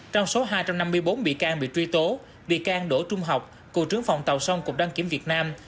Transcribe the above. trong số hai trăm năm mươi bốn bị can bị truy tố bị can đổ trung học cựu trưởng phòng tàu sông cục đăng kiểm việt nam